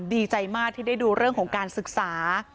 ดีใจมากที่ได้ดูเรื่องของการศึกษา